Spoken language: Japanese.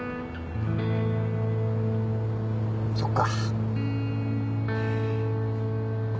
そっか。